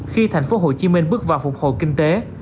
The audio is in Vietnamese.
khi thành phố hồ chí minh bước vào phục hồi kinh tế